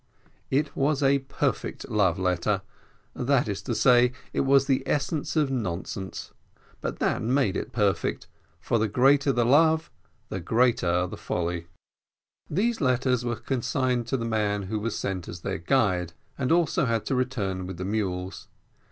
It was a perfect love letter, that is to say, it was the essence of nonsense, but that made it perfect, for the greater the love the greater the folly. These letters were consigned to the man who was sent as their guide, and also had to return with the mules.